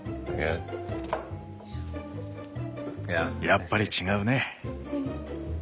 やっぱり違うね。